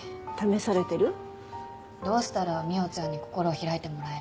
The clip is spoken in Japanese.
どうしたら未央ちゃんに心を開いてもらえるか。